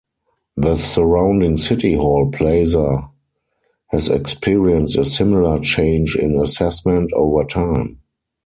The surrounding City Hall Plaza has experienced a similar change in assessment over time.